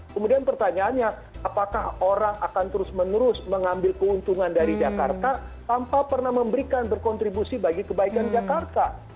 kemudian pertanyaannya apakah orang akan terus menerus mengambil keuntungan dari jakarta tanpa pernah memberikan berkontribusi bagi kebaikan jakarta